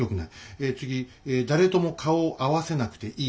え次誰とも顔を合わせなくていい。